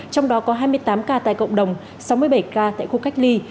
trong đó có hai mươi tám ca tại cộng đồng sáu mươi bảy ca tại khu cách ly